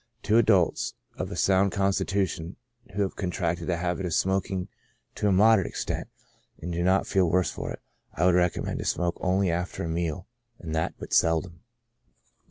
To adults of a sound constitution, who have contracted the habit of smoking to a moderate 56 CHRONIC ALCOHOLISM. extent, and do not feel the worse for it, I would recommend to smoke onlv after a jneaL and that but seldom.